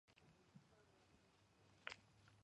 ზაპოროჟიეს ოლქის ადმინისტრაციული ცენტრი.